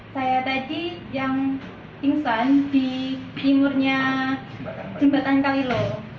saya tadi yang pingsan di timurnya jembatan kalilo